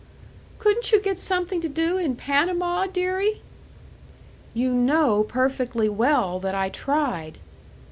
"Couldn't you get something to do in Panama, dearie?" "You know perfectly well that I tried."